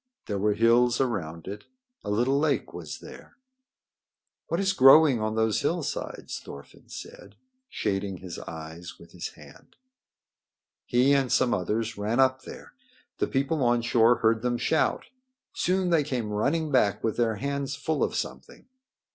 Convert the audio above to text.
There were hills around it. A little lake was there. "What is growing on those hillsides?" Thorfinn said, shading his eyes with his hand. He and some others ran up there. The people on shore heard them shout. Soon they came running back with their hands full of something.